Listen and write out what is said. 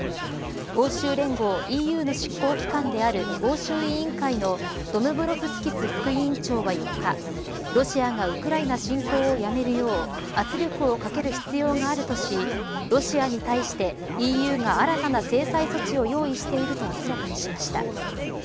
欧州連合ＥＵの執行機関である欧州委員会のドムブロフスキス副委員長は４日ロシアがウクライナ侵攻をやめるよう圧力をかける必要があるとしロシアに対してＥＵが新たな制裁措置を用意していると明らかにしました。